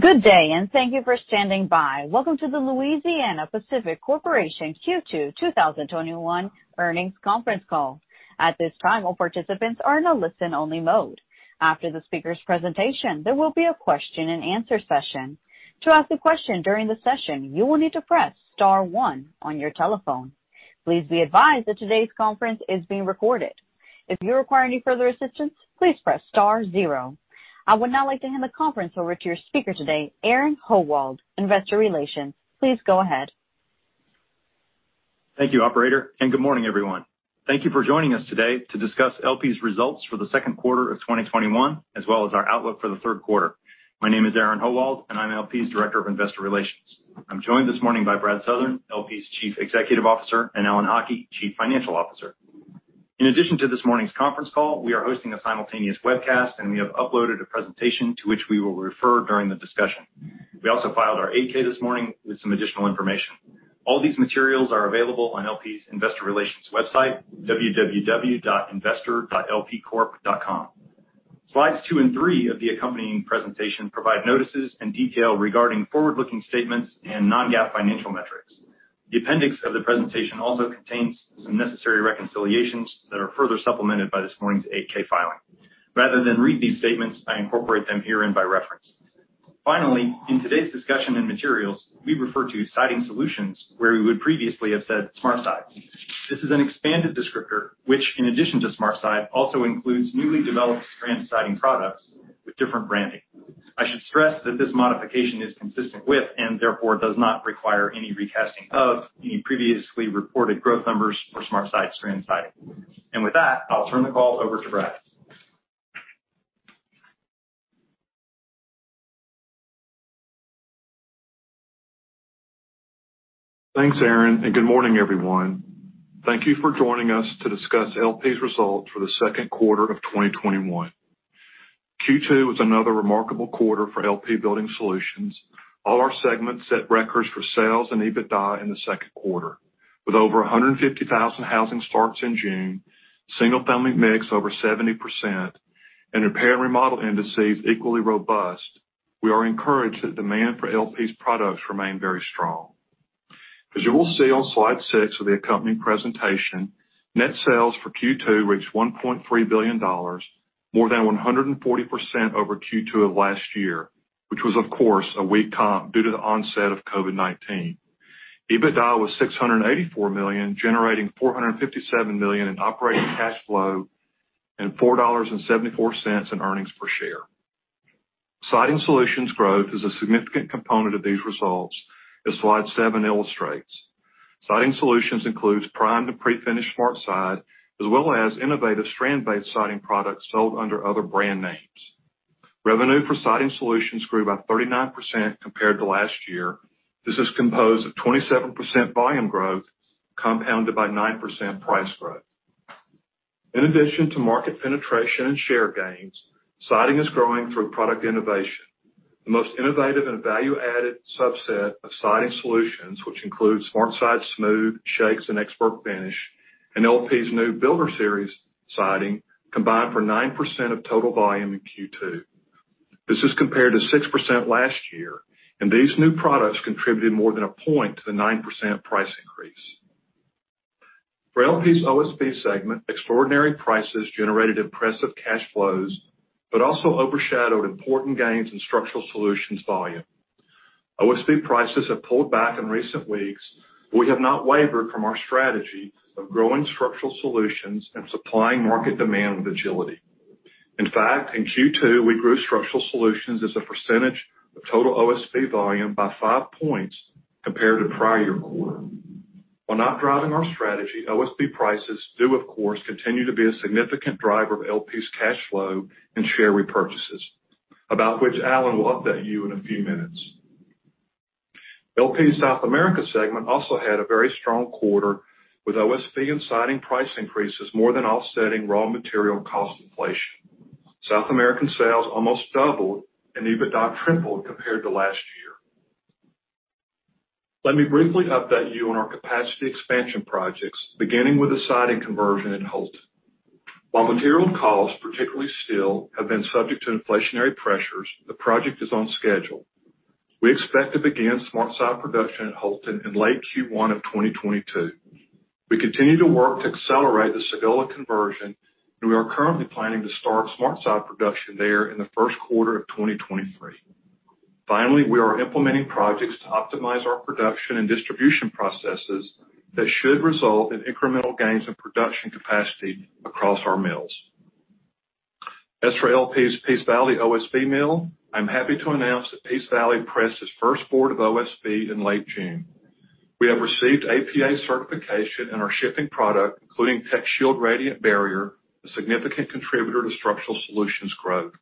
Good day, and thank you for standing by. Welcome to the Louisiana-Pacific Corporation Q2 2021 Earnings Conference Call. At this time, all participants are in a listen-only mode. After the speaker's presentation, there will be a question-and-answer session. To ask a question during the session, you will need to press star one on your telephone. Please be advised that today's conference is being recorded. If you require any further assistance, please press star zero. I would now like to hand the conference over to your speaker today, Aaron Howald, Investor Relations. Please go ahead. Thank you, Operator, and good morning, everyone. Thank you for joining us today to discuss LP's results for the second quarter of 2021, as well as our outlook for the third quarter. My name is Aaron Howald, and I'm LP's Director of Investor Relations. I'm joined this morning by Brad Southern, LP's Chief Executive Officer, and Alan Haughie, Chief Financial Officer. In addition to this morning's conference call, we are hosting a simultaneous webcast, and we have uploaded a presentation to which we will refer during the discussion. We also filed our 8-K this morning with some additional information. All these materials are available on LP's Investor Relations website, www.investor.lpcorp.com. Slides two and three of the accompanying presentation provide notices and detail regarding forward-looking statements and non-GAAP financial metrics. The appendix of the presentation also contains some necessary reconciliations that are further supplemented by this morning's 8-K filing. Rather than read these statements, I incorporate them herein by reference. Finally, in today's discussion and materials, we refer to Siding Solutions where we would previously have said SmartSide. This is an expanded descriptor which, in addition to SmartSide, also includes newly developed strand siding products with different branding. I should stress that this modification is consistent with and therefore does not require any recasting of any previously reported growth numbers for SmartSide strand siding. And with that, I'll turn the call over to Brad. Thanks, Aaron, and good morning, everyone. Thank you for joining us to discuss LP's results for the second quarter of 2021. Q2 was another remarkable quarter for LP Building Solutions. All our segments set records for sales and EBITDA in the second quarter. With over 150,000 housing starts in June, single-family mix over 70%, and repair and remodel indices equally robust, we are encouraged that demand for LP's products remained very strong. As you will see on slide six of the accompanying presentation, net sales for Q2 reached $1.3 billion, more than 140% over Q2 of last year, which was, of course, a weak comp due to the onset of COVID-19. EBITDA was $684 million, generating $457 million in operating cash flow and $4.74 in earnings per share. Siding Solutions growth is a significant component of these results, as slide seven illustrates. Siding Solutions includes primed to pre-finished SmartSide, as well as innovative strand-based siding products sold under other brand names. Revenue for Siding Solutions grew by 39% compared to last year. This is composed of 27% volume growth compounded by 9% price growth. In addition to market penetration and share gains, siding is growing through product innovation. The most innovative and value-added subset of Siding Solutions, which includes SmartSide, smooth, shakes, and ExpertFinish, and LP's new Builder Series siding, combined for 9% of total volume in Q2. This is compared to 6% last year, and these new products contributed more than a point to the 9% price increase. For LP's OSB segment, extraordinary prices generated impressive cash flows, but also overshadowed important gains in Structural Solutions volume. OSB prices have pulled back in recent weeks, but we have not wavered from our strategy of growing Structural Solutions and supplying market demand with agility. In fact, in Q2, we grew Structural Solutions as a percentage of total OSB volume by five points compared to prior year quarter. While not driving our strategy, OSB prices do, of course, continue to be a significant driver of LP's cash flow and share repurchases, about which Alan will update you in a few minutes. LP's South America segment also had a very strong quarter with OSB and siding price increases more than offsetting raw material cost inflation. South American sales almost doubled and EBITDA tripled compared to last year. Let me briefly update you on our capacity expansion projects, beginning with the siding conversion at Houlton. While material costs, particularly steel, have been subject to inflationary pressures, the project is on schedule. We expect to begin SmartSide production at Houlton in late Q1 of 2022. We continue to work to accelerate the Sagola conversion, and we are currently planning to start SmartSide production there in the first quarter of 2023. Finally, we are implementing projects to optimize our production and distribution processes that should result in incremental gains in production capacity across our mills. As for LP's Peace Valley OSB mill, I'm happy to announce that Peace Valley pressed its first board of OSB in late June. We have received APA certification in our shipping product, including TechShield Radiant Barrier, a significant contributor to Structural Solutions growth.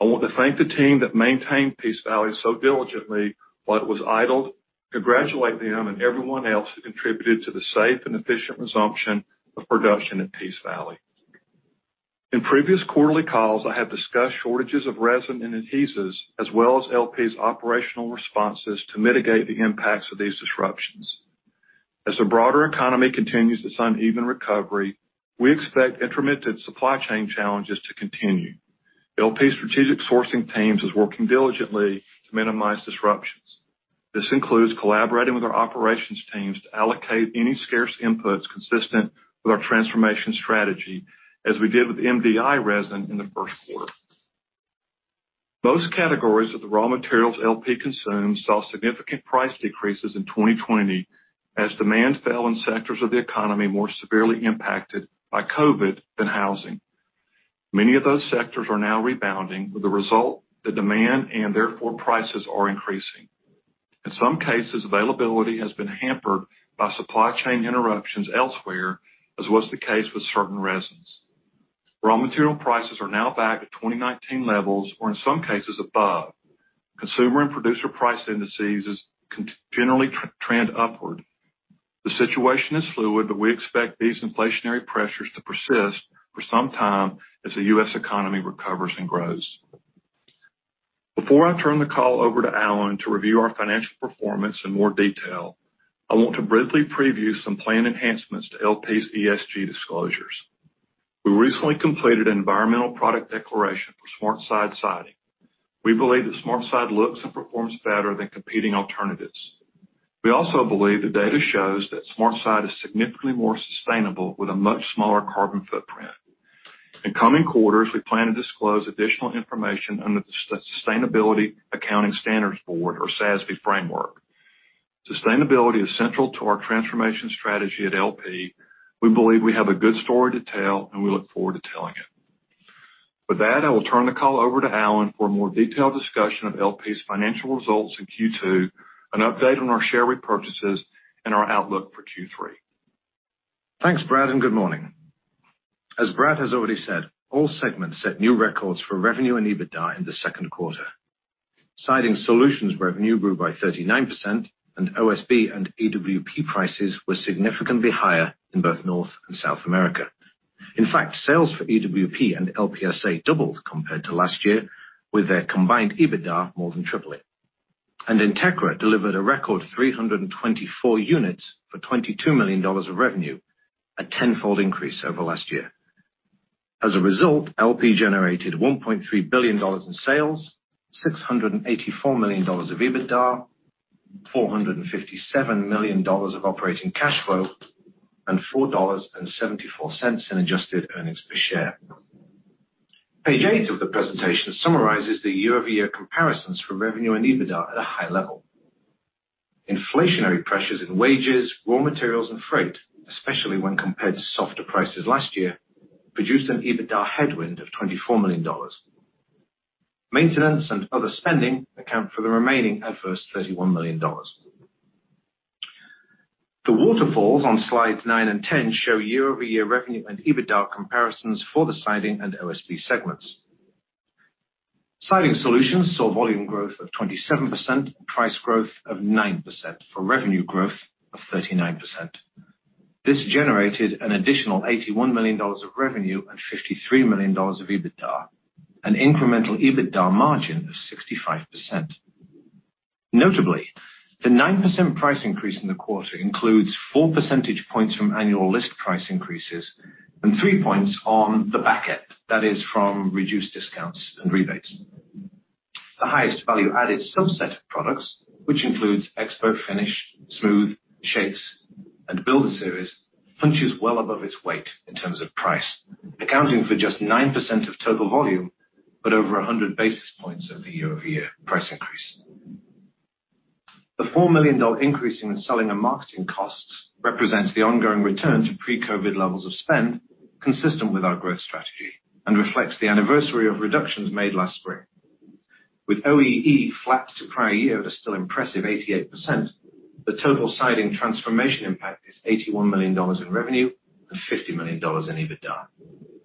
I want to thank the team that maintained Peace Valley so diligently while it was idled. Congratulate them and everyone else who contributed to the safe and efficient resumption of production at Peace Valley. In previous quarterly calls, I have discussed shortages of resin and adhesives, as well as LP's operational responses to mitigate the impacts of these disruptions. As the broader economy continues its uneven recovery, we expect intermittent supply chain challenges to continue. LP's strategic sourcing teams are working diligently to minimize disruptions. This includes collaborating with our operations teams to allocate any scarce inputs consistent with our transformation strategy, as we did with MDI resin in the first quarter. Most categories of the raw materials LP consumes saw significant price decreases in 2020, as demand fell in sectors of the economy more severely impacted by COVID than housing. Many of those sectors are now rebounding, with the result that demand and therefore prices are increasing. In some cases, availability has been hampered by supply chain interruptions elsewhere, as was the case with certain resins. Raw material prices are now back to 2019 levels, or in some cases above. Consumer and producer price indices generally trend upward. The situation is fluid, but we expect these inflationary pressures to persist for some time as the U.S. economy recovers and grows. Before I turn the call over to Alan to review our financial performance in more detail, I want to briefly preview some plan enhancements to LP's ESG disclosures. We recently completed an environmental product declaration for SmartSide siding. We believe that SmartSide looks and performs better than competing alternatives. We also believe the data shows that SmartSide is significantly more sustainable with a much smaller carbon footprint. In coming quarters, we plan to disclose additional information under the Sustainability Accounting Standards Board, or SASB, framework. Sustainability is central to our transformation strategy at LP. We believe we have a good story to tell, and we look forward to telling it. With that, I will turn the call over to Alan for a more detailed discussion of LP's financial results in Q2, an update on our share repurchases, and our outlook for Q3. Thanks, Brad, and good morning. As Brad has already said, all segments set new records for revenue and EBITDA in the second quarter. Siding Solutions revenue grew by 39%, and OSB and EWP prices were significantly higher in both North and South America. In fact, sales for EWP and LPSA doubled compared to last year, with their combined EBITDA more than tripling. Entekra delivered a record 324 units for $22 million of revenue, a tenfold increase over last year. As a result, LP generated $1.3 billion in sales, $684 million of EBITDA, $457 million of operating cash flow, and $4.74 in adjusted earnings per share. Page eight of the presentation summarizes the year-over-year comparisons for revenue and EBITDA at a high level. Inflationary pressures in wages, raw materials, and freight, especially when compared to softer prices last year, produced an EBITDA headwind of $24 million. Maintenance and other spending account for the remaining adverse $31 million. The waterfalls on slides nine and 10 show year-over-year revenue and EBITDA comparisons for the Siding Solutions and OSB segments. Siding Solutions saw volume growth of 27% and price growth of 9% for revenue growth of 39%. This generated an additional $81 million of revenue and $53 million of EBITDA, an incremental EBITDA margin of 65%. Notably, the 9% price increase in the quarter includes four percentage points from annual list price increases and three points on the back end, that is, from reduced discounts and rebates. The highest value-added subset of products, which includes ExpertFinish, smooth, shakes, and Builder Series, punches well above its weight in terms of price, accounting for just 9% of total volume, but over 100 basis points of the year-over-year price increase. The $4 million increase in selling and marketing costs represents the ongoing return to pre-COVID levels of spend consistent with our growth strategy and reflects the anniversary of reductions made last spring. With OEE flat to prior year at a still impressive 88%, the total siding transformation impact is $81 million in revenue and $50 million in EBITDA.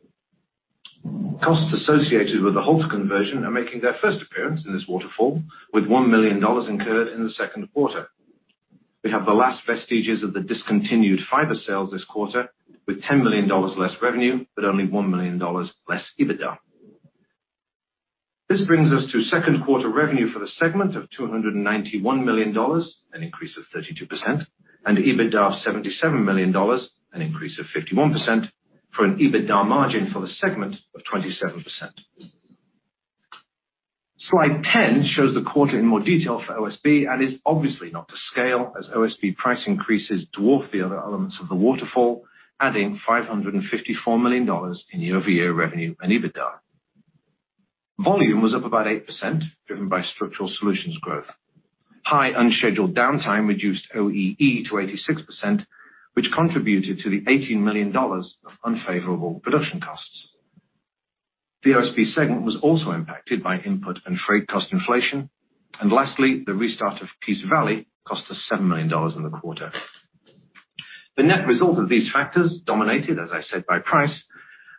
Costs associated with the Houlton conversion are making their first appearance in this waterfall, with $1 million incurred in the second quarter. We have the last vestiges of the discontinued fiber sales this quarter, with $10 million less revenue, but only $1 million less EBITDA. This brings us to second quarter revenue for the segment of $291 million, an increase of 32%, and EBITDA of $77 million, an increase of 51%, for an EBITDA margin for the segment of 27%. Slide 10 shows the quarter in more detail for OSB and is obviously not to scale, as OSB price increases dwarf the other elements of the waterfall, adding $554 million in year-over-year revenue and EBITDA. Volume was up about 8%, driven by structural solutions growth. High unscheduled downtime reduced OEE to 86%, which contributed to the $18 million of unfavorable production costs. The OSB segment was also impacted by input and freight cost inflation, and lastly, the restart of Peace Valley cost us $7 million in the quarter. The net result of these factors dominated, as I said, by price,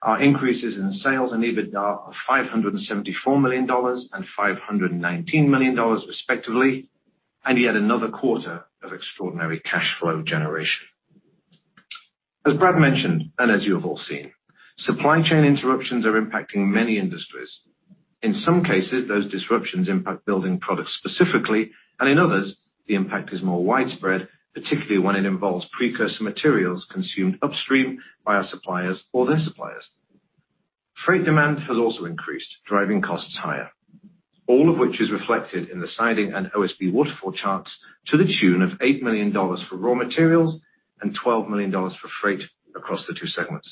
are increases in sales and EBITDA of $574 million and $519 million, respectively, and yet another quarter of extraordinary cash flow generation. As Brad mentioned, and as you have all seen, supply chain interruptions are impacting many industries. In some cases, those disruptions impact building products specifically, and in others, the impact is more widespread, particularly when it involves precursor materials consumed upstream by our suppliers or their suppliers. Freight demand has also increased, driving costs higher, all of which is reflected in the siding and OSB waterfall charts to the tune of $8 million for raw materials and $12 million for freight across the two segments.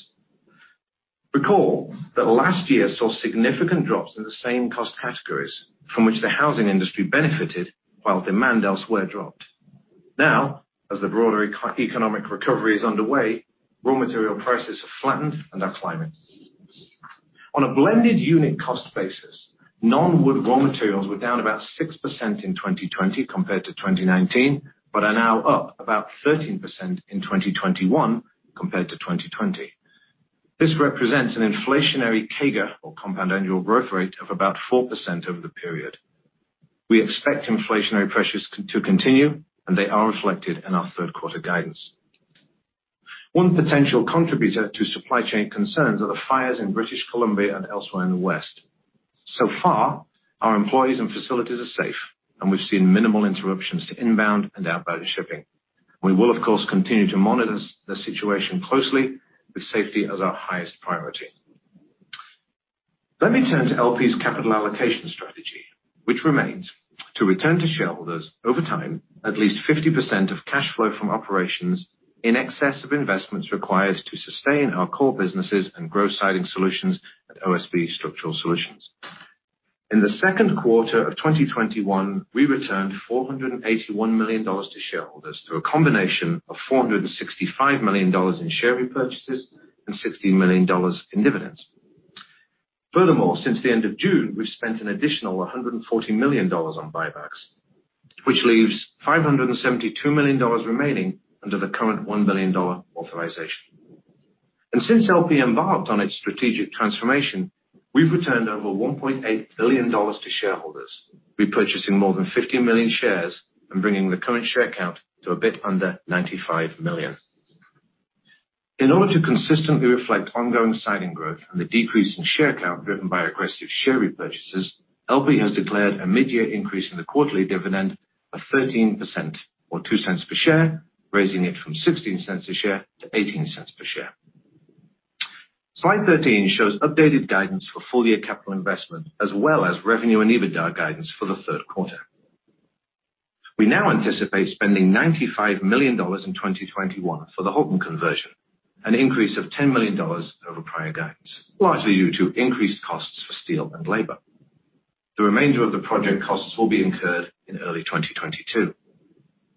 Recall that last year saw significant drops in the same cost categories, from which the housing industry benefited while demand elsewhere dropped. Now, as the broader economic recovery is underway, raw material prices have flattened and are climbing. On a blended unit cost basis, non-wood raw materials were down about 6% in 2020 compared to 2019, but are now up about 13% in 2021 compared to 2020. This represents an inflationary CAGR, or compound annual growth rate, of about 4% over the period. We expect inflationary pressures to continue, and they are reflected in our third quarter guidance. One potential contributor to supply chain concerns are the fires in British Columbia and elsewhere in the west. So far, our employees and facilities are safe, and we've seen minimal interruptions to inbound and outbound shipping. We will, of course, continue to monitor the situation closely, with safety as our highest priority. Let me turn to LP's capital allocation strategy, which remains to return to shareholders over time at least 50% of cash flow from operations in excess of investments required to sustain our core businesses and grow Siding Solutions and OSB Structural Solutions. In the second quarter of 2021, we returned $481 million to shareholders through a combination of $465 million in share repurchases and $60 million in dividends. Furthermore, since the end of June, we've spent an additional $140 million on buybacks, which leaves $572 million remaining under the current $1 billion authorization. And since LP embarked on its strategic transformation, we've returned over $1.8 billion to shareholders, repurchasing more than 50 million shares and bringing the current share count to a bit under 95 million. In order to consistently reflect ongoing siding growth and the decrease in share count driven by aggressive share repurchases, LP has declared a mid-year increase in the quarterly dividend of 13%, or $0.02 per share, raising it from $0.16 a share to $0.18 per share. Slide 13 shows updated guidance for full-year capital investment, as well as revenue and EBITDA guidance for the third quarter. We now anticipate spending $95 million in 2021 for the Houlton conversion, an increase of $10 million over prior guidance, largely due to increased costs for steel and labor. The remainder of the project costs will be incurred in early 2022.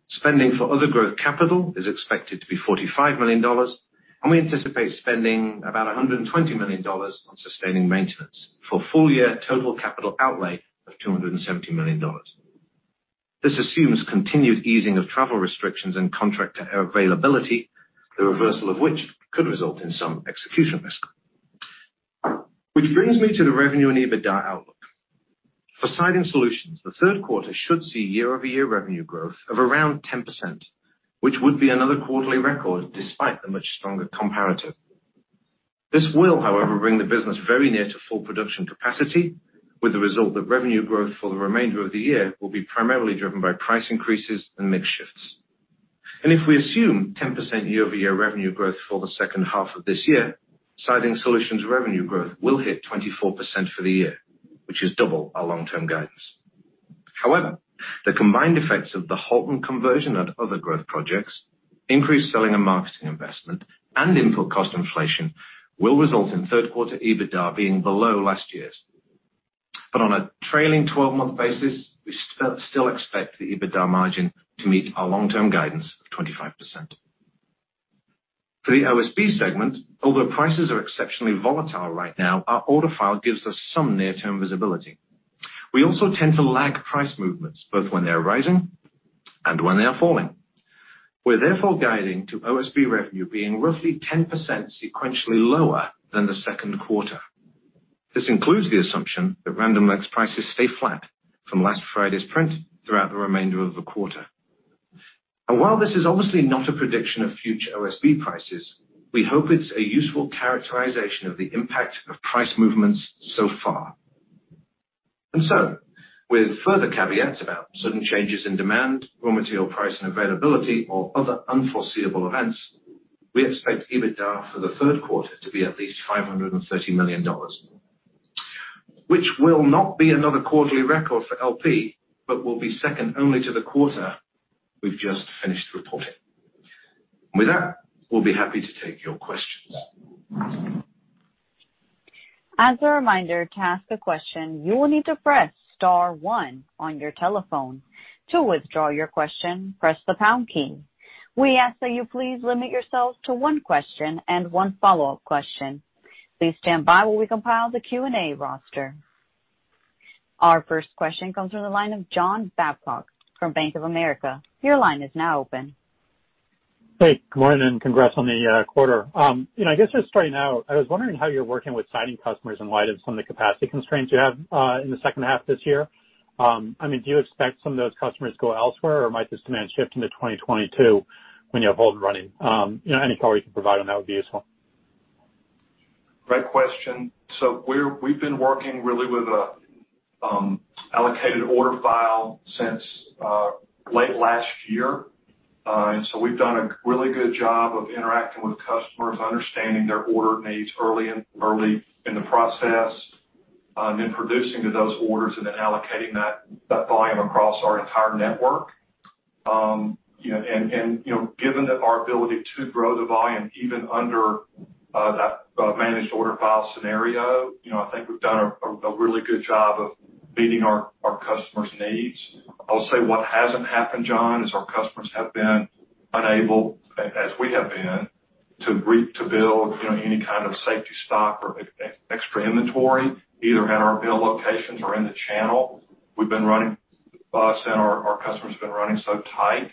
Spending for other growth capital is expected to be $45 million, and we anticipate spending about $120 million on sustaining maintenance for full-year total capital outlay of $270 million. This assumes continued easing of travel restrictions and contractor availability, the reversal of which could result in some execution risk. Which brings me to the revenue and EBITDA outlook. For Siding Solutions, the third quarter should see year-over-year revenue growth of around 10%, which would be another quarterly record despite the much stronger comparative. This will, however, bring the business very near to full production capacity, with the result that revenue growth for the remainder of the year will be primarily driven by price increases and mixed shifts. And if we assume 10% year-over-year revenue growth for the second half of this year, Siding Solutions revenue growth will hit 24% for the year, which is double our long-term guidance. However, the combined effects of the Houlton conversion and other growth projects, increased selling and marketing investment, and input cost inflation will result in third quarter EBITDA being below last year's. But on a trailing 12-month basis, we still expect the EBITDA margin to meet our long-term guidance of 25%. For the OSB segment, although prices are exceptionally volatile right now, our order file gives us some near-term visibility. We also tend to lag price movements, both when they are rising and when they are falling. We're therefore guiding to OSB revenue being roughly 10% sequentially lower than the second quarter. This includes the assumption that Random Lengths prices stay flat from last Friday's print throughout the remainder of the quarter. And while this is obviously not a prediction of future OSB prices, we hope it's a useful characterization of the impact of price movements so far. And so, with further caveats about sudden changes in demand, raw material price and availability, or other unforeseeable events, we expect EBITDA for the third quarter to be at least $530 million, which will not be another quarterly record for LP, but will be second only to the quarter we've just finished reporting. With that, we'll be happy to take your questions. As a reminder to ask a question, you will need to press star one on your telephone. To withdraw your question, press the pound key. We ask that you please limit yourselves to one question and one follow-up question. Please stand by while we compile the Q&A roster. Our first question comes from the line of John Babcock from Bank of America. Your line is now open. Hey, good morning and congrats on the quarter. I guess just starting out, I was wondering how you're working with siding customers in light of some of the capacity constraints you have in the second half this year. I mean, do you expect some of those customers to go elsewhere, or might this demand shift into 2022 when you have Houlton running? Any color you can provide on that would be useful. Great question. So we've been working really with an allocated order file since late last year. And so we've done a really good job of interacting with customers, understanding their order needs early in the process, then producing to those orders and then allocating that volume across our entire network. And given our ability to grow the volume even under that managed order file scenario, I think we've done a really good job of meeting our customers' needs. I'll say what hasn't happened, John, is our customers have been unable, as we have been, to build any kind of safety stock or extra inventory, either at our build locations or in the channel. We've been running bus, and our customers have been running so tight,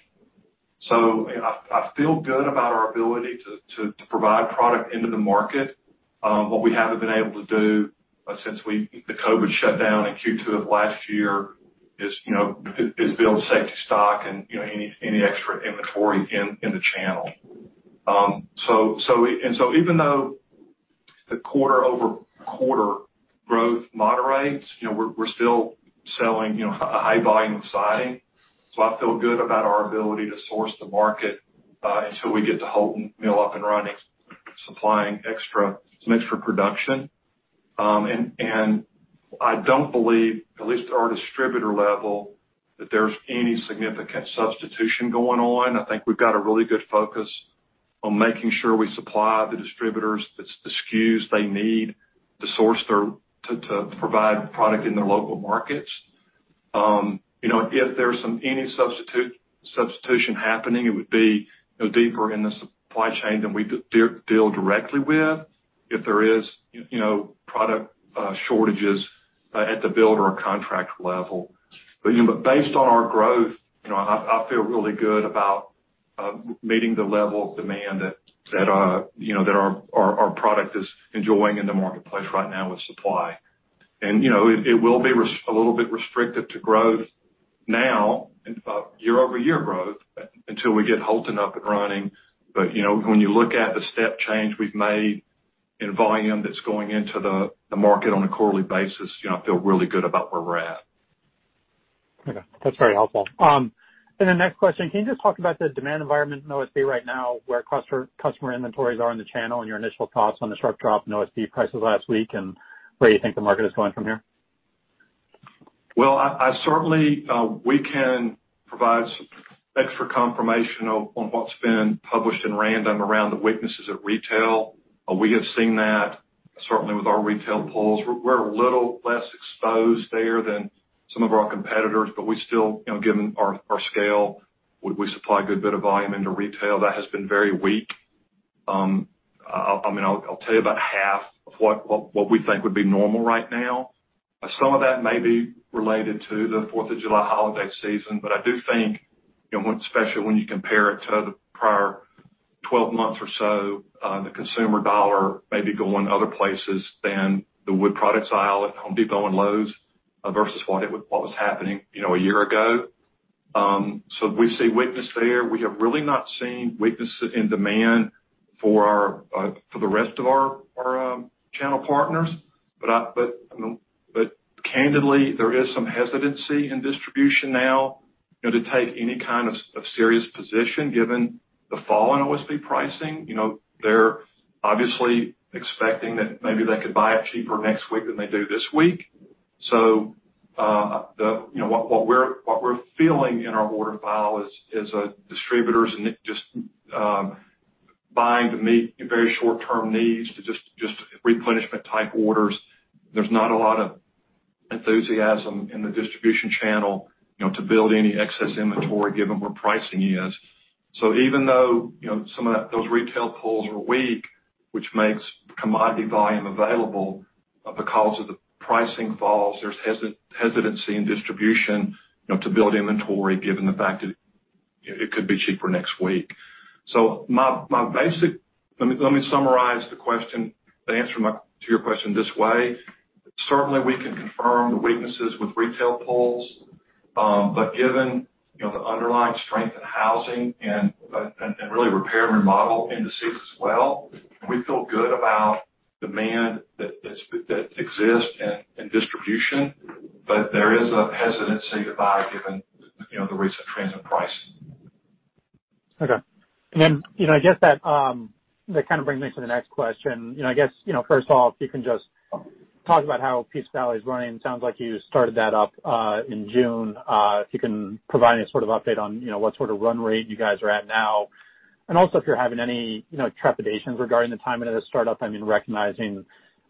so I feel good about our ability to provide product into the market. What we haven't been able to do since the COVID shutdown in Q2 of last year is build safety stock and any extra inventory in the channel, and so even though the quarter-over-quarter growth moderates, we're still selling a high volume of siding, so I feel good about our ability to source the market until we get the Houlton mill up and running, supplying some extra production, and I don't believe, at least at our distributor level, that there's any significant substitution going on. I think we've got a really good focus on making sure we supply the distributors the SKUs they need to provide product in their local markets. If there's any substitution happening, it would be deeper in the supply chain than we deal directly with if there are product shortages at the builder or contract level. But based on our growth, I feel really good about meeting the level of demand that our product is enjoying in the marketplace right now with supply, and it will be a little bit restrictive to growth now, year-over-year growth, until we get Houlton up and running, but when you look at the step change we've made in volume that's going into the market on a quarterly basis, I feel really good about where we're at. Okay. That's very helpful. And then next question, can you just talk about the demand environment in OSB right now, where customer inventories are in the channel, and your initial thoughts on the sharp drop in OSB prices last week, and where you think the market is going from here? Well, certainly, we can provide some extra confirmation on what's been published in Random Lengths around the weaknesses at retail. We have seen that, certainly, with our retail pulls. We're a little less exposed there than some of our competitors, but we still, given our scale, we supply a good bit of volume into retail. That has been very weak. I mean, I'll tell you about half of what we think would be normal right now. Some of that may be related to the holiday season, but I do think, especially when you compare it to the prior 12 months or so, the consumer dollar may be going other places than the wood products aisle at Home Depot and Lowe's versus what was happening a year ago. So we see weakness there. We have really not seen weakness in demand for the rest of our channel partners. But candidly, there is some hesitancy in distribution now to take any kind of serious position, given the fall in OSB pricing. They're obviously expecting that maybe they could buy it cheaper next week than they do this week. So what we're feeling in our order file is distributors just buying to meet very short-term needs, just replenishment-type orders. There's not a lot of enthusiasm in the distribution channel to build any excess inventory, given where pricing is. So even though some of those retail pulls are weak, which makes commodity volume available because of the pricing falls, there's hesitancy in distribution to build inventory, given the fact that it could be cheaper next week. So let me summarize the question to answer to your question this way. Certainly, we can confirm the weaknesses with retail pulls. But given the underlying strength in housing and really repair and remodel indices as well, we feel good about demand that exists in distribution, but there is a hesitancy to buy given the recent trends in pricing. Okay. And then I guess that kind of brings me to the next question. I guess, first off, if you can just talk about how Peace Valley is running. It sounds like you started that up in June. If you can provide any sort of update on what sort of run rate you guys are at now? And also, if you're having any trepidations regarding the timing of this startup? I mean, recognizing,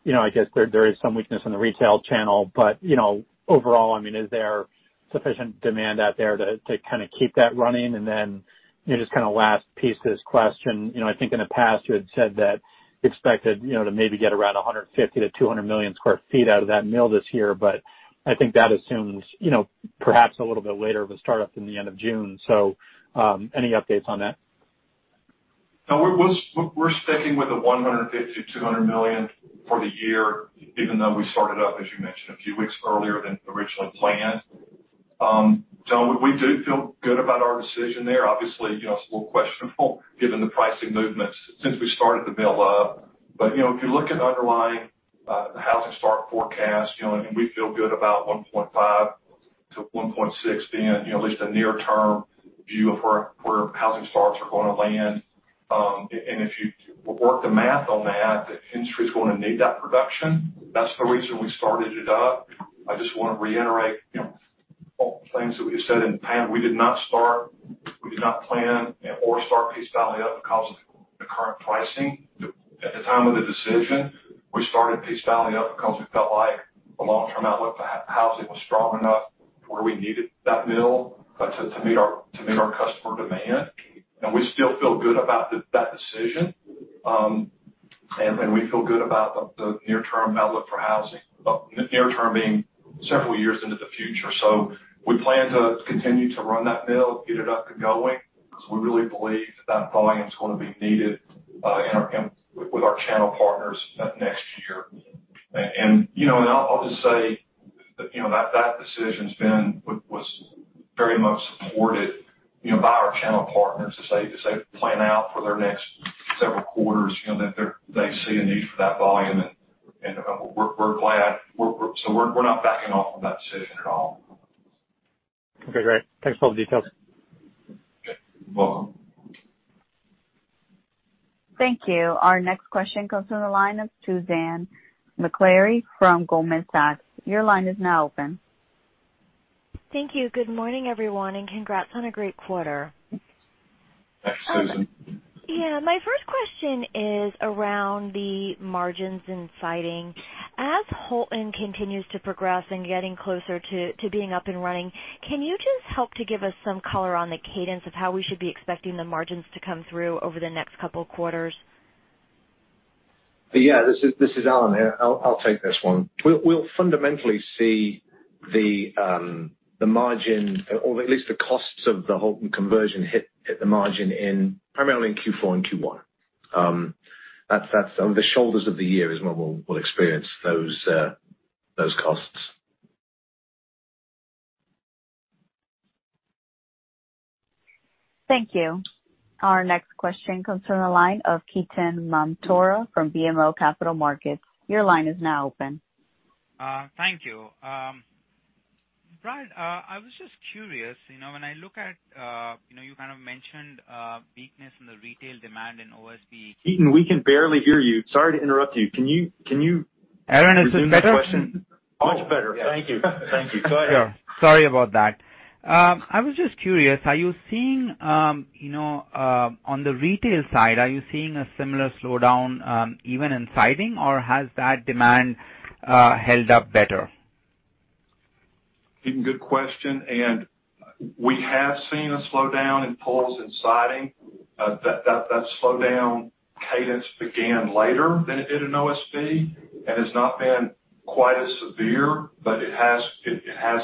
I guess, there is some weakness in the retail channel. But overall, I mean, is there sufficient demand out there to kind of keep that running? And then just kind of last piece of this question. I think in the past, you had said that you expected to maybe get around 150-200 million sq ft out of that mill this year. But I think that assumes perhaps a little bit later of a startup in the end of June. So any updates on that? We're sticking with the $150 million-$200 million for the year, even though we started up, as you mentioned, a few weeks earlier than originally planned. So we do feel good about our decision there. Obviously, it's a little questionable given the pricing movements since we started the mill up. But if you look at underlying housing start forecast, and we feel good about 1.5-1.6 being at least a near-term view of where housing starts are going to land. And if you work the math on that, the industry is going to need that production. That's the reason we started it up. I just want to reiterate all the things that we have said in the past. We did not start, we did not plan, or start Peace Valley up because of the current pricing. At the time of the decision, we started Peace Valley up because we felt like the long-term outlook for housing was strong enough to where we needed that mill to meet our customer demand. And we still feel good about that decision. And we feel good about the near-term outlook for housing, near-term being several years into the future. So we plan to continue to run that mill, get it up and going, because we really believe that that volume is going to be needed with our channel partners next year. And I'll just say that that decision was very much supported by our channel partners as they plan out for their next several quarters, that they see a need for that volume. And we're glad. So we're not backing off on that decision at all. Okay. Great. Thanks for all the details. Welcome. Thank you. Our next question goes to the line of Susan Maklari from Goldman Sachs. Your line is now open. Thank you. Good morning, everyone, and congrats on a great quarter. Thanks, Susan. Yeah. My first question is around the margins in siding. As Houlton continues to progress and getting closer to being up and running, can you just help to give us some color on the cadence of how we should be expecting the margins to come through over the next couple of quarters? Yeah. This is Alan. I'll take this one. We'll fundamentally see the margin, or at least the costs of the Houlton conversion hit the margin primarily in Q4 and Q1. That's on the shoulders of the year is when we'll experience those costs. Thank you. Our next question comes from the line of Ketan Mamtora from BMO Capital Markets. Your line is now open. Thank you. Brad, I was just curious. When I look at you kind of mentioned weakness in the retail demand in OSB. We can barely hear you. Sorry to interrupt you. Can you? Alan, it's a better question. Much better. Thank you. Thank you. Go ahead. Sorry about that. I was just curious. Are you seeing on the retail side, are you seeing a similar slowdown even in siding, or has that demand held up better? Good question. And we have seen a slowdown in pulls in siding. That slowdown cadence began later than it did in OSB and has not been quite as severe, but it has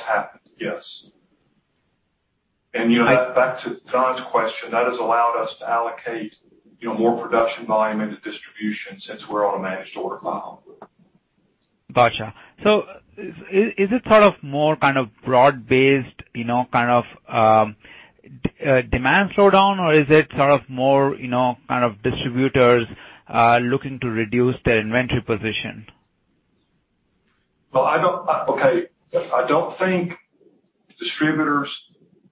happened, yes. And back to John's question, that has allowed us to allocate more production volume into distribution since we're on a managed order file. Gotcha. So is it sort of more kind of broad-based kind of demand slowdown, or is it sort of more kind of distributors looking to reduce their inventory position? Okay. I don't think distributors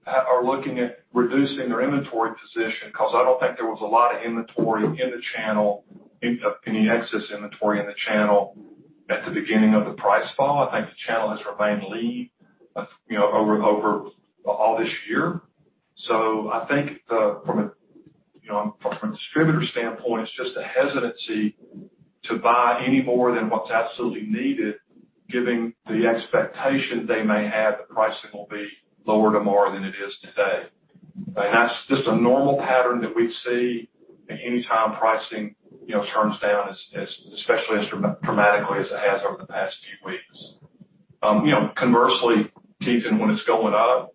are looking at reducing their inventory position because I don't think there was a lot of inventory in the channel, any excess inventory in the channel at the beginning of the price fall. I think the channel has remained lean over all this year. So I think from a distributor standpoint, it's just a hesitancy to buy any more than what's absolutely needed, given the expectation they may have that pricing will be lower tomorrow than it is today. And that's just a normal pattern that we see anytime pricing turns down, especially as dramatically as it has over the past few weeks. Conversely, Ketan, when it's going up,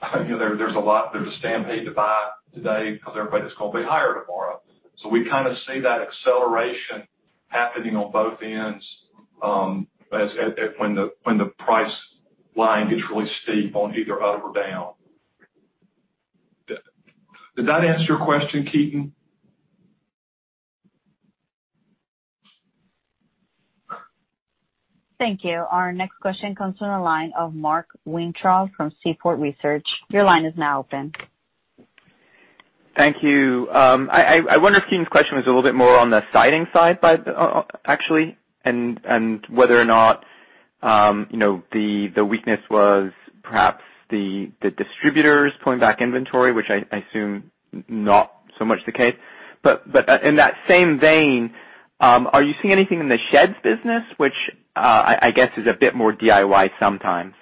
there's a lot, there's a stampede to buy today because everybody's going to be higher tomorrow. So we kind of see that acceleration happening on both ends when the price line gets really steep on either up or down. Did that answer your question, Ketan? Thank you. Our next question comes from the line of Mark Weintraub from Seaport Research Partners. Your line is now open. Thank you. I wonder if Ketan's question was a little bit more on the siding side, actually, and whether or not the weakness was perhaps the distributors pulling back inventory, which I assume not so much the case. But in that same vein, are you seeing anything in the sheds business, which I guess is a bit more DIY sometimes?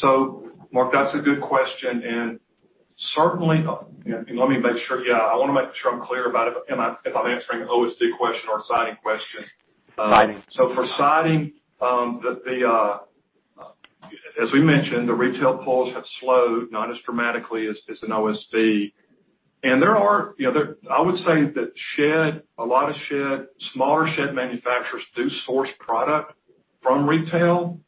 So Mark, that's a good question. And certainly, let me make sure yeah, I want to make sure I'm clear about it if I'm answering OSB question or siding question. So for siding, as we mentioned, the retail pulls have slowed not as dramatically as in OSB. And there are, I would say, that shed, a lot of shed, smaller shed manufacturers do source product from retail.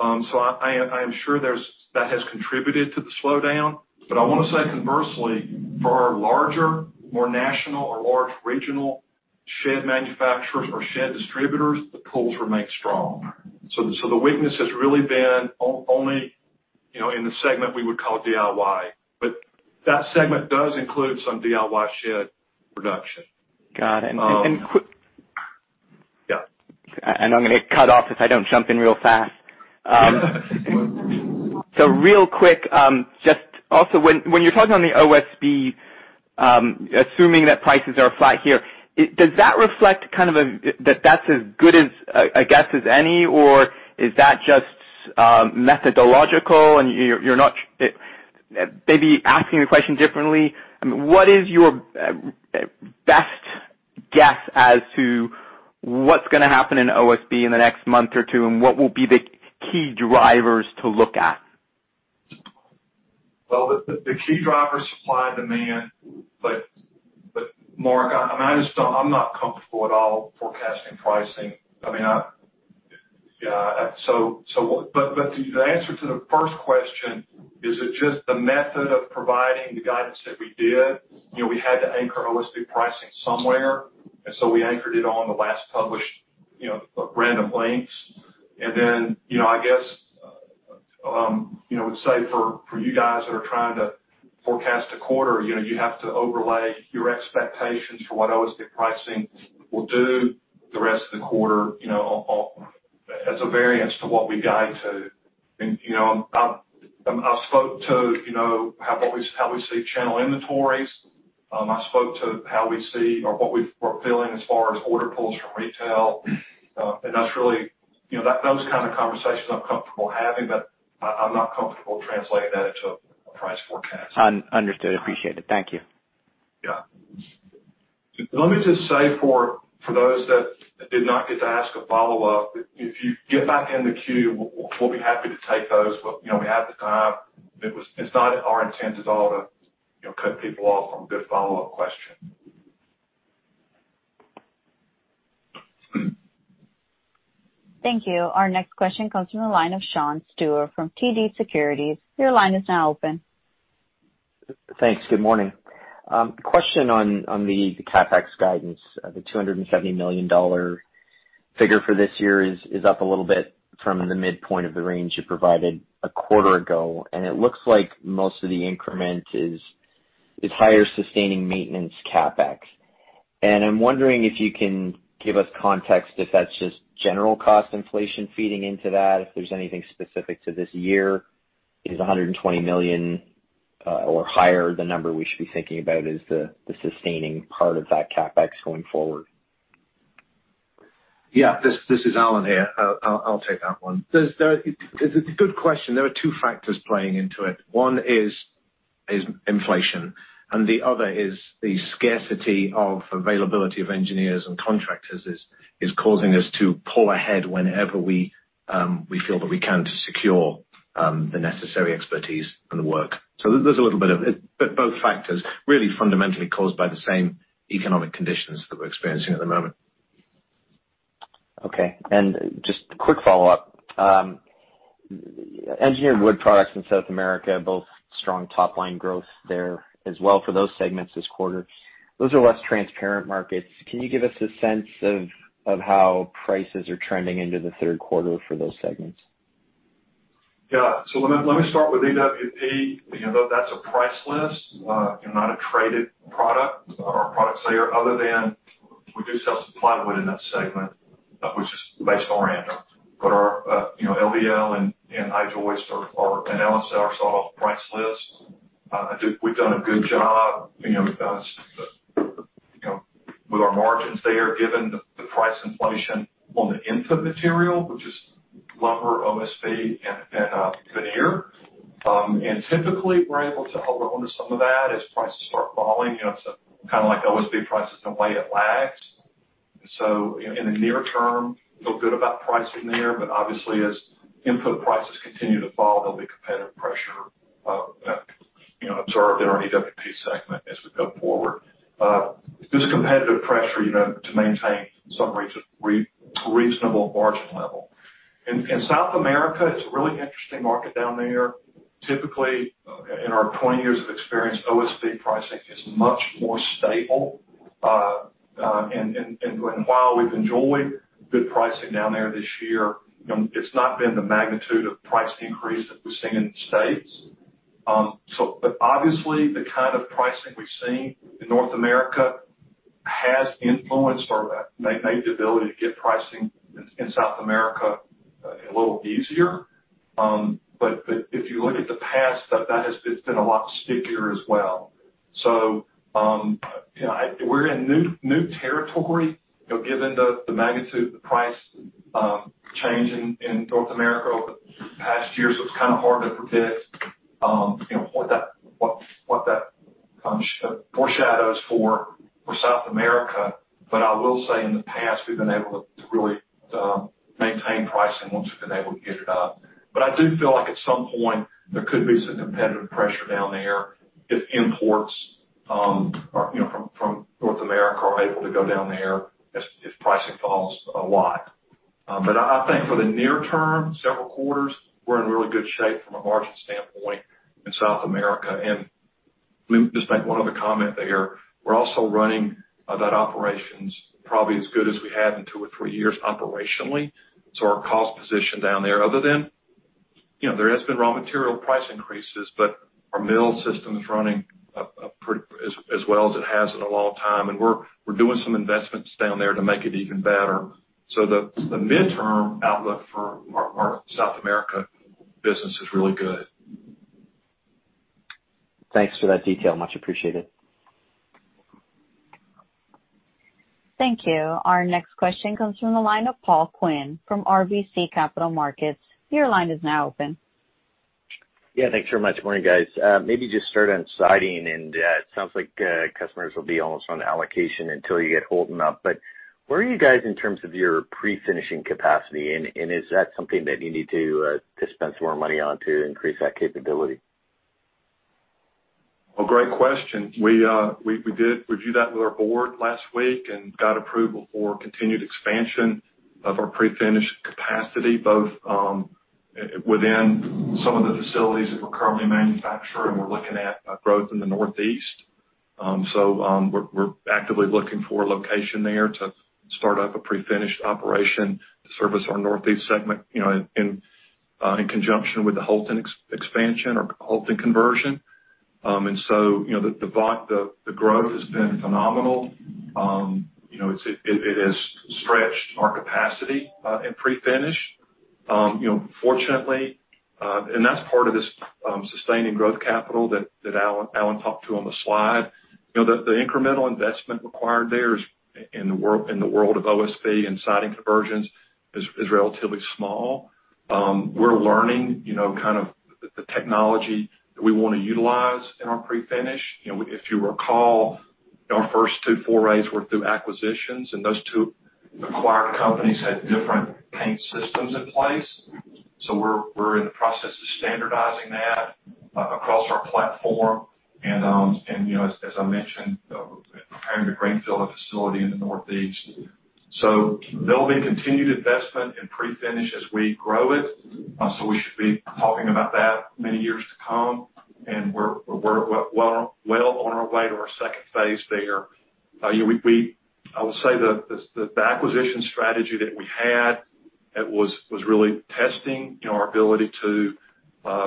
So I am sure that has contributed to the slowdown. But I want to say conversely, for our larger, more national or large regional shed manufacturers or shed distributors, the pulls remain strong. So the weakness has really been only in the segment we would call DIY. But that segment does include some DIY shed production. Got it. And I'm going to cut off if I don't jump in real fast. Real quick, just also when you're talking on the OSB, assuming that prices are flat here, does that reflect kind of that that's as good as a guess as any, or is that just methodological? And maybe asking the question differently. What is your best guess as to what's going to happen in OSB in the next month or two, and what will be the key drivers to look at? The key drivers are supply and demand. But Mark, I'm not comfortable at all forecasting pricing. I mean, yeah. But the answer to the first question is it just the method of providing the guidance that we did? We had to anchor OSB pricing somewhere. And so we anchored it on the last published Random Lengths. And then, I guess I would say for you guys that are trying to forecast a quarter, you have to overlay your expectations for what OSB pricing will do the rest of the quarter as a variance to what we guide to. And I've spoke to how we see channel inventories. I spoke to how we see or what we're feeling as far as order pulls from retail. And that's really those kind of conversations I'm comfortable having, but I'm not comfortable translating that into a price forecast. Understood. Appreciate it. Thank you. Yeah. Let me just say for those that did not get to ask a follow-up, if you get back in the queue, we'll be happy to take those. But we have the time. It's not our intent at all to cut people off on a good follow-up question. Thank you. Our next question comes from the line of Sean Steuart from TD Securities. Your line is now open. Thanks. Good morning. Question on the CapEx guidance. The $270 million figure for this year is up a little bit from the midpoint of the range you provided a quarter ago. And it looks like most of the increment is higher sustaining maintenance CapEx. And I'm wondering if you can give us context if that's just general cost inflation feeding into that, if there's anything specific to this year. Is $120 million or higher the number we should be thinking about as the sustaining part of that CapEx going forward? Yeah. This is Alan here. I'll take that one. It's a good question. There are two factors playing into it. One is inflation. The other is the scarcity of availability of engineers and contractors is causing us to pull ahead whenever we feel that we can to secure the necessary expertise and the work. So there's a little bit of both factors really fundamentally caused by the same economic conditions that we're experiencing at the moment. Okay. And just a quick follow-up. Engineered wood products in South America, both strong top-line growth there as well for those segments this quarter. Those are less transparent markets. Can you give us a sense of how prices are trending into the third quarter for those segments? Yeah. So let me start with EWP. That's a price list, not a traded product or product layer other than we do sell supply wood in that segment, which is based on random. But our LVL and I-Joist and LSL are sold off price list. We've done a good job with our margins there given the price inflation on the input material, which is lumber, OSB, and veneer. And typically, we're able to hold on to some of that as prices start falling. It's kind of like OSB prices the way it lags. And so in the near term, feel good about pricing there. But obviously, as input prices continue to fall, there'll be competitive pressure observed in our EWP segment as we go forward. This competitive pressure to maintain some reasonable margin level. In South America, it's a really interesting market down there. Typically, in our 20 years of experience, OSB pricing is much more stable. And while we've enjoyed good pricing down there this year, it's not been the magnitude of price increase that we've seen in the States. But obviously, the kind of pricing we've seen in North America has influenced or made the ability to get pricing in South America a little easier. But if you look at the past, that has been a lot stickier as well. So we're in new territory given the magnitude of the price change in North America over the past years. It's kind of hard to predict what that foreshadows for South America. But I will say in the past, we've been able to really maintain pricing once we've been able to get it up. But I do feel like at some point, there could be some competitive pressure down there if imports from North America are able to go down there if pricing falls a lot. But I think for the near term, several quarters, we're in really good shape from a margin standpoint in South America. And just make one other comment there. We're also running that operations probably as good as we had in two or three years operationally. So our cost position down there, other than there has been raw material price increases, but our mill system is running as well as it has in a long time. And we're doing some investments down there to make it even better. So the midterm outlook for our South America business is really good. Thanks for that detail. Much appreciated. Thank you. Our next question comes from the line of Paul Quinn from RBC Capital Markets. Your line is now open. Yeah. Thanks very much. Morning, guys. Maybe just start on siding. And it sounds like customers will be almost on allocation until you get Houlton up. But where are you guys in terms of your pre-finishing capacity? Is that something that you need to spend some more money on to increase that capability? Well, great question. We did review that with our board last week and got approval for continued expansion of our pre-finished capacity both within some of the facilities that we're currently manufacturing. We're looking at growth in the northeast. So we're actively looking for a location there to start up a pre-finished operation to service our northeast segment in conjunction with the Houlton expansion or Houlton conversion. And so the growth has been phenomenal. It has stretched our capacity in pre-finish. Fortunately, and that's part of this sustaining growth capital that Alan talked to on the slide. The incremental investment required there in the world of OSB and siding conversions is relatively small. We're learning kind of the technology that we want to utilize in our pre-finish. If you recall, our first two forays were through acquisitions, and those two acquired companies had different paint systems in place. So we're in the process of standardizing that across our platform. And as I mentioned, we're preparing to greenfield a facility in the northeast. So there'll be continued investment in pre-finish as we grow it. So we should be talking about that many years to come. And we're well on our way to our second phase there. I would say the acquisition strategy that we had was really testing our ability to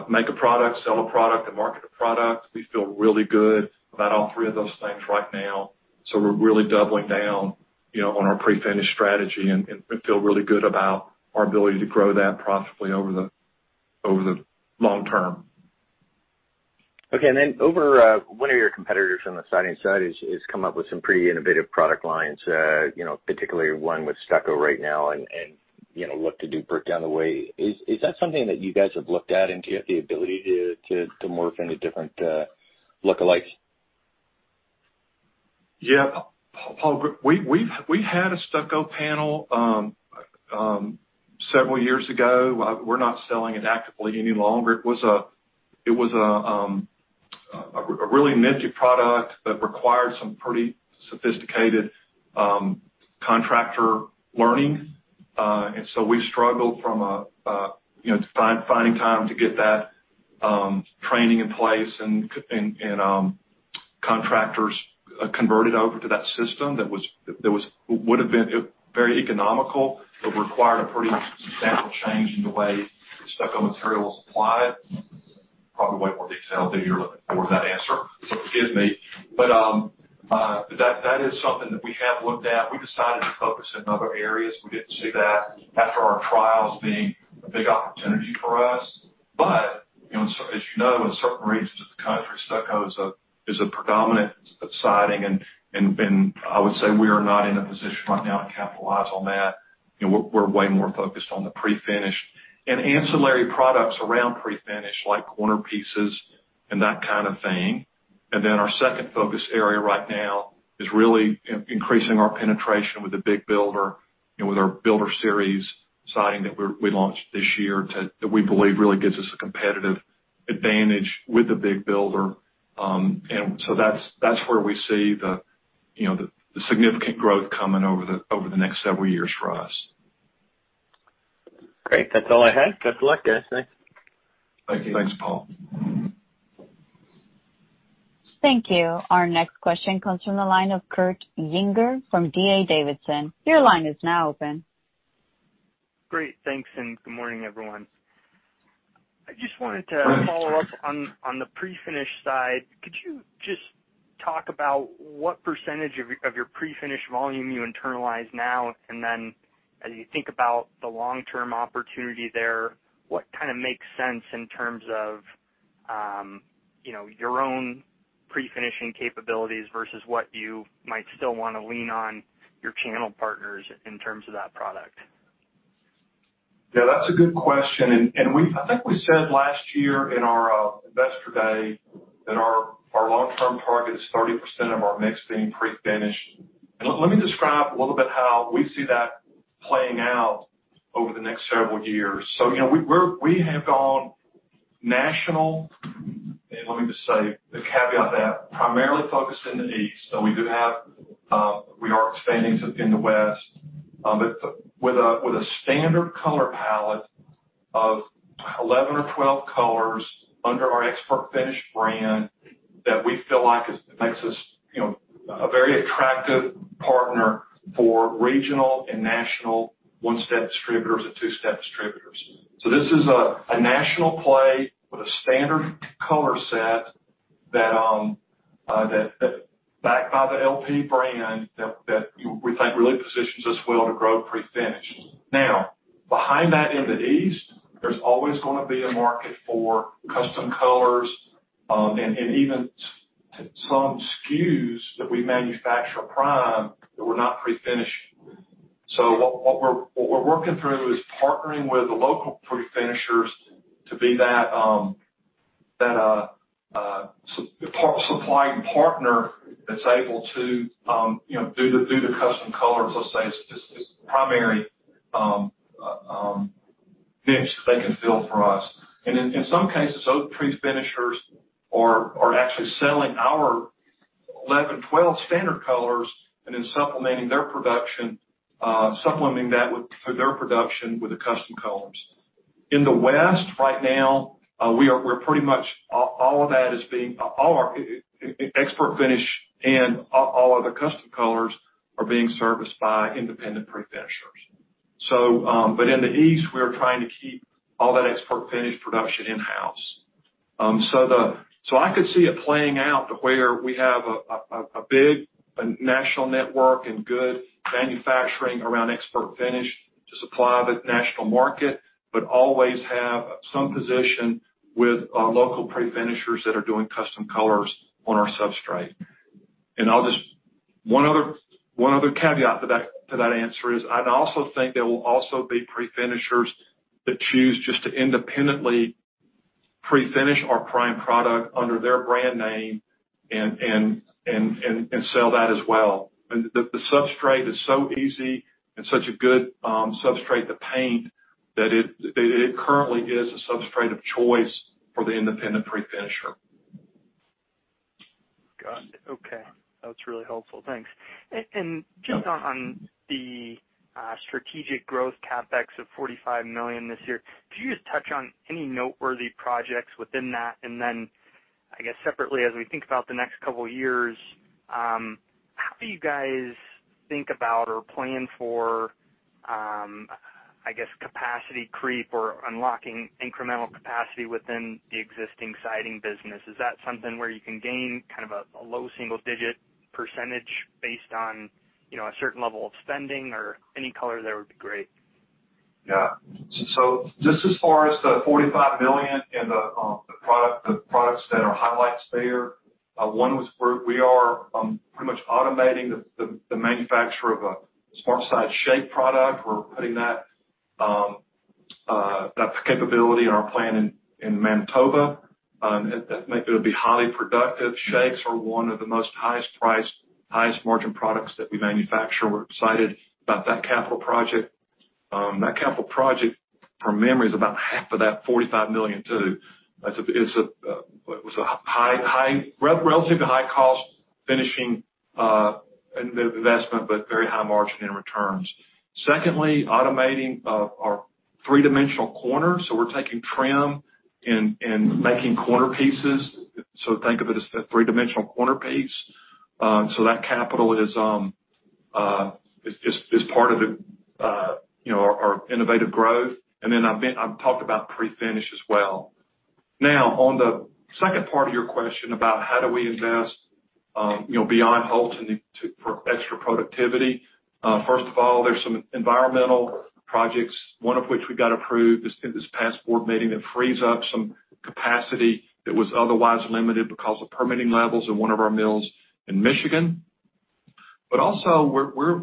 make a product, sell a product, and market a product. We feel really good about all three of those things right now. So we're really doubling down on our pre-finish strategy and feel really good about our ability to grow that profitably over the long term. Okay. And then over, one of your competitors on the siding side has come up with some pretty innovative product lines, particularly one with stucco right now and look to do brick down the way. Is that something that you guys have looked at and do you have the ability to morph into different look-alikes? Yeah. We had a stucco panel several years ago. We're not selling it actively any longer. It was a really nifty product that required some pretty sophisticated contractor learning, and so we struggled from finding time to get that training in place and contractors converted over to that system that would have been very economical but required a pretty substantial change in the way stucco material was applied. Probably way more detail than you're looking for with that answer, so forgive me, but that is something that we have looked at. We decided to focus in other areas. We didn't see that after our trials being a big opportunity for us. But as you know, in certain regions of the country, stucco is a predominant siding. And I would say we are not in a position right now to capitalize on that. We're way more focused on the pre-finished and ancillary products around pre-finished like corner pieces and that kind of thing. And then our second focus area right now is really increasing our penetration with the big builder with our Builder Series siding that we launched this year that we believe really gives us a competitive advantage with the big builder. And so that's where we see the significant growth coming over the next several years for us. Great. That's all I had. Good luck, guys. Thanks. Thank you. Thanks, Paul. Thank you. Our next question comes from the line of Kurt Yinger from D.A. Davidson. Your line is now open. Great. Thanks. And good morning, everyone. I just wanted to follow up on the pre-finish side. Could you just talk about what percentage of your pre-finished volume you internalize now? And then as you think about the long-term opportunity there, what kind of makes sense in terms of your own pre-finishing capabilities versus what you might still want to lean on your channel partners in terms of that product? Yeah. That's a good question. And I think we said last year in our investor day that our long-term target is 30% of our mix being pre-finished. And let me describe a little bit how we see that playing out over the next several years. So we have gone national. And let me just say the caveat that primarily focused in the east. So we are expanding to the west. But with a standard color palette of 11 or 12 colors under our ExpertFinish brand that we feel like makes us a very attractive partner for regional and national one-step distributors and two-step distributors. So this is a national play with a standard color set backed by the LP brand that we think really positions us well to grow pre-finished. Now, behind that in the east, there's always going to be a market for custom colors and even some SKUs that we manufacture primed that we're not pre-finishing. So what we're working through is partnering with the local pre-finishers to be that supply partner that's able to do the custom colors, let's say, as primary niche they can fill for us. And in some cases, those pre-finishers are actually selling our 11, 12 standard colors and then supplementing their production, supplementing that through their production with the custom colors. In the west, right now, we're pretty much all of that is being all our ExpertFinish and all of the custom colors are being serviced by independent pre-finishers. But in the east, we are trying to keep all that ExpertFinish production in-house. So I could see it playing out to where we have a big national network and good manufacturing around ExpertFinish to supply the national market, but always have some position with local pre-finishers that are doing custom colors on our substrate. And one other caveat to that answer is I also think there will also be pre-finishers that choose just to independently pre-finish our prime product under their brand name and sell that as well. The substrate is so easy and such a good substrate to paint that it currently is a substrate of choice for the independent pre-finisher. Got it. Okay. That's really helpful. Thanks. And just on the strategic growth CapEx of $45 million this year, could you just touch on any noteworthy projects within that? And then, I guess, separately, as we think about the next couple of years, how do you guys think about or plan for, I guess, capacity creep or unlocking incremental capacity within the existing siding business? Is that something where you can gain kind of a low single-digit % based on a certain level of spending or any color there would be great? Yeah. So just as far as the $45 million and the products that are highlights there, one was we are pretty much automating the manufacture of a SmartSide shake product. We're putting that capability in our plan in Manitoba. It'll be highly productive. Shakes are one of the most highest-priced, highest-margin products that we manufacture. We're excited about that capital project. That capital project, from memory, is about $22.5 million too. It was a relatively high-cost finishing investment, but very high margin in returns. Secondly, automating our three-dimensional corners. So we're taking trim and making corner pieces. So think of it as a three-dimensional corner piece. So that capital is part of our innovative growth. And then I've talked about pre-finish as well. Now, on the second part of your question about how do we invest beyond Houlton for extra productivity, first of all, there's some environmental projects, one of which we got approved at this past board meeting that frees up some capacity that was otherwise limited because of permitting levels in one of our mills in Michigan. But also, we're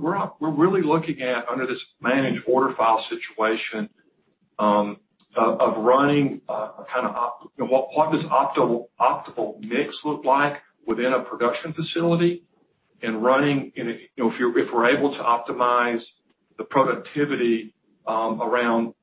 really looking at, under this managed order file situation, of running kind of what does optimal mix look like within a production facility and running if we're able to optimize the productivity around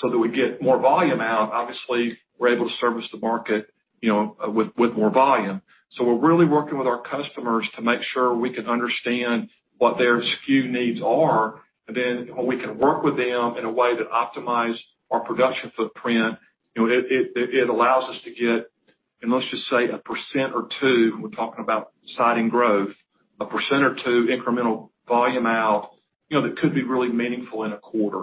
so that we get more volume out, obviously, we're able to service the market with more volume. So we're really working with our customers to make sure we can understand what their SKU needs are. And then when we can work with them in a way that optimizes our production footprint, it allows us to get, and let's just say, 1% or 2%, we're talking about siding growth, 1% or 2% incremental volume out that could be really meaningful in a quarter.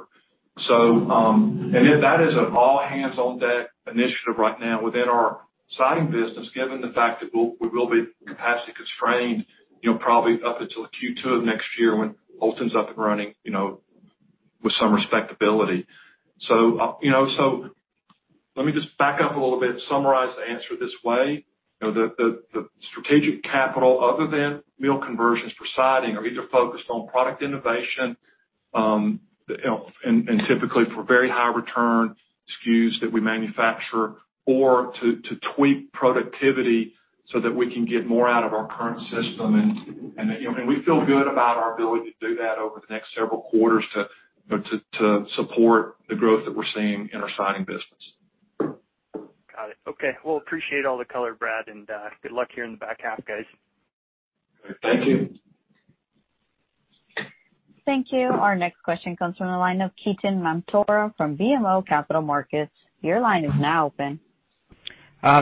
And that is an all-hands-on-deck initiative right now within our siding business, given the fact that we will be capacity constrained probably up until Q2 of next year when Houlton's up and running with some respectability. So let me just back up a little bit, summarize the answer this way. The strategic capital, other than mill conversions for siding, are either focused on product innovation and typically for very high-return SKUs that we manufacture or to tweak productivity so that we can get more out of our current system. And we feel good about our ability to do that over the next several quarters to support the growth that we're seeing in our siding business. Got it. Okay. Well, appreciate all the color, Brad. And good luck here in the back half, guys. Thank you. Thank you. Our next question comes from the line of Ketan Mamtora from BMO Capital Markets. Your line is now open.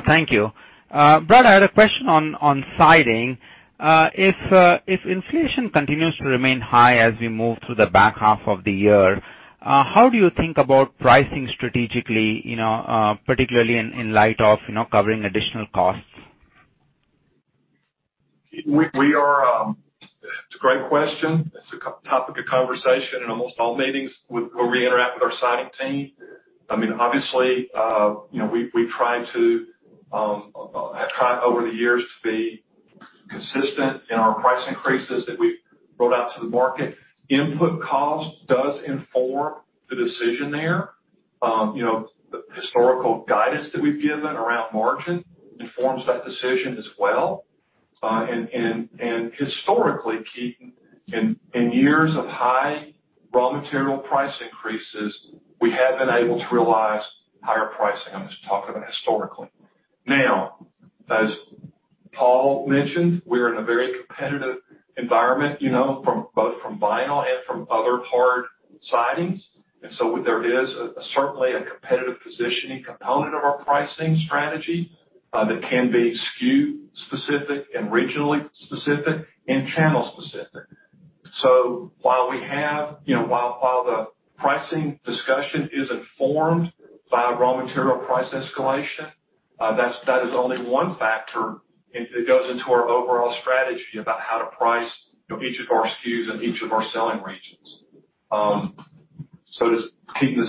Thank you. Brad, I had a question on siding. If inflation continues to remain high as we move through the back half of the year, how do you think about pricing strategically, particularly in light of covering additional costs? It's a great question. It's a topic of conversation in almost all meetings where we interact with our siding team. I mean, obviously, we've tried over the years to be consistent in our price increases that we've rolled out to the market. Input cost does inform the decision there. The historical guidance that we've given around margin informs that decision as well. And historically, Ketan, in years of high raw material price increases, we have been able to realize higher pricing. I'm just talking about historically. Now, as Paul mentioned, we're in a very competitive environment both from vinyl and from other hard sidings. And so there is certainly a competitive positioning component of our pricing strategy that can be SKU-specific and regionally specific and channel-specific. So while the pricing discussion is informed by raw material price escalation, that is only one factor that goes into our overall strategy about how to price each of our SKUs in each of our selling regions. So does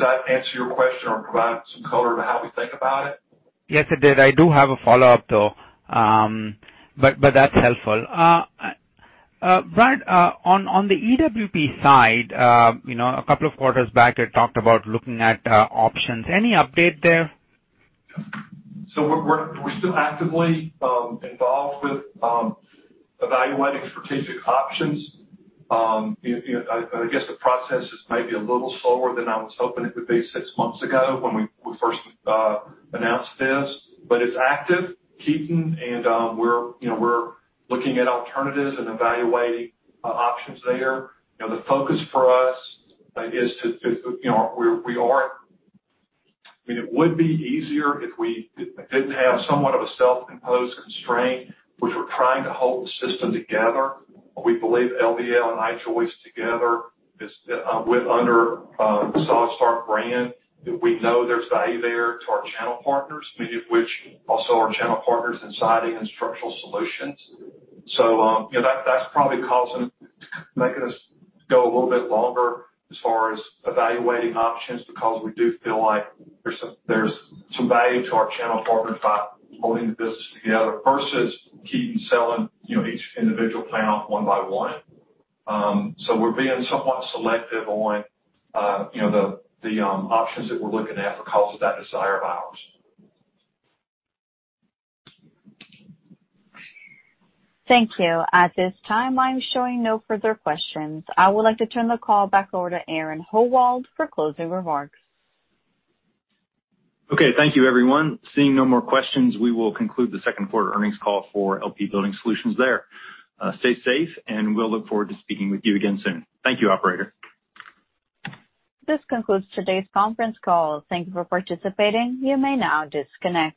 that answer your question or provide some color to how we think about it? Yes, it did. I do have a follow-up, though. But that's helpful. Brad, on the EWP side, a couple of quarters back, I talked about looking at options. Any update there? So we're still actively involved with evaluating strategic options. I guess the process is maybe a little slower than I was hoping it would be six months ago when we first announced this. But it's active, Ketan, and we're looking at alternatives and evaluating options there. The focus for us is to we are I mean, it would be easier if we didn't have somewhat of a self-imposed constraint, which we're trying to hold the system together. We believe LSL and I-Joist together with under the SolidStart brand that we know there's value there to our channel partners, many of which also are channel partners in siding and structural solutions. So that's probably making us go a little bit longer as far as evaluating options because we do feel like there's some value to our channel partners by holding the business together versus auction selling each individual panel one by one. So we're being somewhat selective on the options that we're looking at because of that desire of ours. Thank you. At this time, I'm showing no further questions. I would like to turn the call back over to Aaron Howald for closing remarks. Okay. Thank you, everyone. Seeing no more questions, we will conclude the second quarter earnings call for LP Building Solutions there. Stay safe, and we'll look forward to speaking with you again soon. Thank you, operator. This concludes today's conference call. Thank you for participating. You may now disconnect.